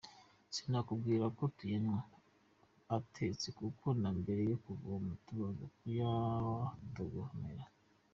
Sinakubwira ko tuyanywa atetse kuko na mbere yo kuyavoma tubanza kuyagotomera.